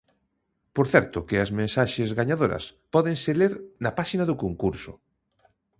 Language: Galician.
Por certo que as mensaxes gañadoras pódense ler na páxina do concurso.